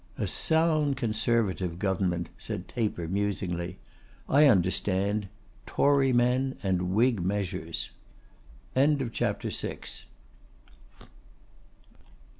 'A sound Conservative government,' said Taper, musingly. 'I understand: Tory men and Whig measures.' CHAPTER VII.